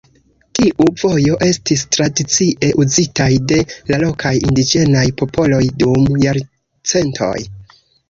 Tiu vojo estis tradicie uzitaj de la lokaj indiĝenaj popoloj dum jarcentoj.